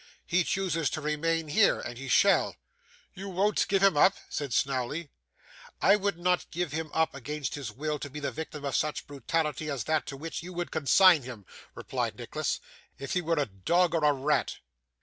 He chooses to remain here, and he shall.' 'You won't give him up?' said Snawley. 'I would not give him up against his will, to be the victim of such brutality as that to which you would consign him,' replied Nicholas, 'if he were a dog or a rat.